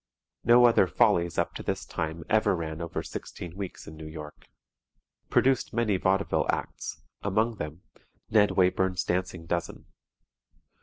No other "Follies" up to this time ever ran over 16 weeks in New York. Produced many vaudeville acts, among them, "Ned Wayburn's Dancing Dozen."